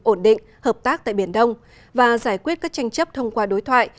ổn định hợp tác tại biển đông và giải quyết các tranh chấp thông qua đối thoại